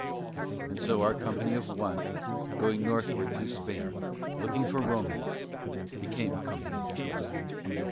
And so our company of one going northward through Spain looking for romance became a company of two.